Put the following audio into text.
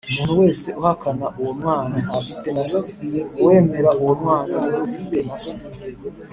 Umuntu wese uhakana uwo Mwana ntafite na Se, uwemera uwo mwana ni we ufite na Se